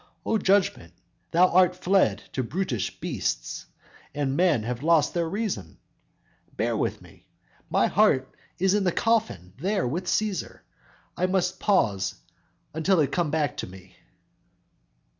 O judgment, thou art fled to brutish beasts, And men have lost their reason! Bear with me; My heart is in the coffin there with Cæsar, And I must pause until it come back to me.